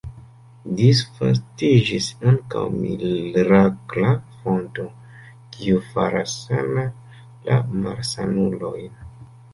Disvastiĝis ankaŭ mirakla fonto, kiu faras sana la malsanulojn.